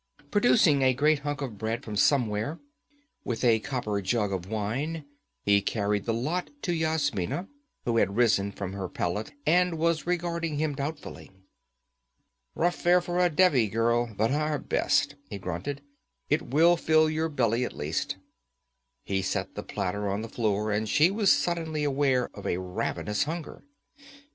Producing a great hunk of bread from somewhere, with a copper jug of wine, he carried the lot to Yasmina, who had risen from her pallet and was regarding him doubtfully. 'Rough fare for a Devi, girl, but our best,' he grunted. 'It will fill your belly, at least.' He set the platter on the floor, and she was suddenly aware of a ravenous hunger.